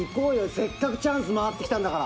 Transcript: せっかくチャンス回ってきたんだから。